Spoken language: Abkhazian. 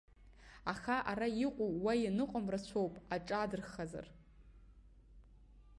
Аха, ара иҟоу уа ианыҟам рацәоуп аҿаадырхазар.